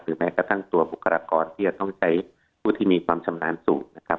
แม้กระทั่งตัวบุคลากรที่จะต้องใช้ผู้ที่มีความชำนาญสูงนะครับ